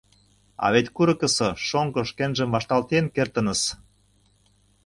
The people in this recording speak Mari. «А вет курыкысо шоҥго шкенжым вашталтен кертыныс.